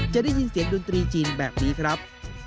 จะได้ยินเสียงดนตรีจีนแบบนี้ครับ